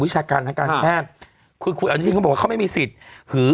วิชาการนะครับคุยคุยอันนี้เขาบอกว่าเขาไม่มีสิทธิ์หือ